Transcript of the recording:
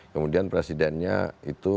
kemudian presidennya itu